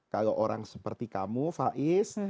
kalau orang seperti kamu faiz